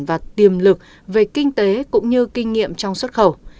và tiềm lực về kinh tế cũng như kinh nghiệm trong xuất khẩu